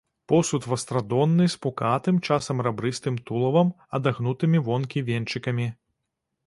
Посуд вастрадонны з пукатым, часам рабрыстым тулавам, адагнутымі вонкі венчыкамі.